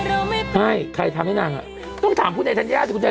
ภัยแต่เดียวไม่ทำให้หนังต้องถามผู้ใจธัญญาผู้ใจ